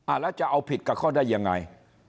แล้วจะเอาผิดกับเขาได้ยังไง